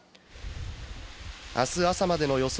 あす朝までの予想